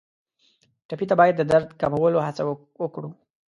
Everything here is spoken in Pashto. ټپي ته باید د درد کمولو هڅه وکړو.